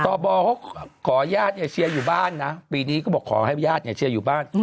ต่อบอกก็ขอหญ้าทเชียร์อยู่บ้านนะปีนี้ก็บอกหญ้าทจะเชียร์อยู่บ้าน